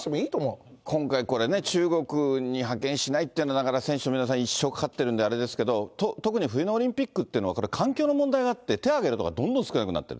今回これね、中国に派遣しないってのは、選手の皆さん、一生かかってるんで、あれですけど、特に冬のオリンピックっていうのは、環境の問題があって、手を挙げるとこがどんどん少なくなってる。